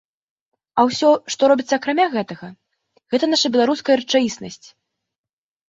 А ўсё, што робіцца акрамя гэтага, гэта наша беларуская рэчаіснасць.